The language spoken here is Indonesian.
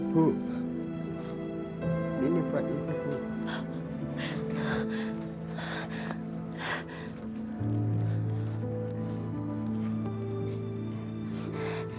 puk ini pak jika